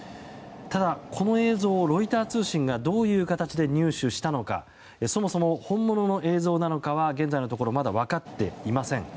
ただ、この映像をロイター通信がどういう形で入手したのかそもそも本物の映像なのかは現在のところまだ分かっていません。